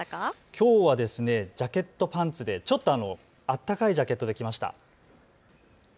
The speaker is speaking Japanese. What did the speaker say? きょうはジャケット、パンツで、ちょっと暖かいジャケットで来ました。